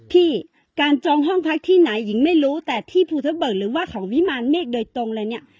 พี่การจองห้องพักที่ไหนหญิงไม่รู้แต่ที่ภูทะเบิกหรือว่าของวิมารเมฆโดยตรงอะไรเนี่ย